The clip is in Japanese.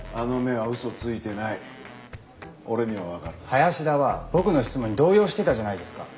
林田は僕の質問に動揺してたじゃないですか。